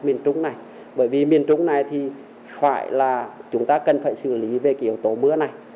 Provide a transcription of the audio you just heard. miền trung này bởi vì miền trung này thì phải là chúng ta cần phải xử lý về cái yếu tố mưa này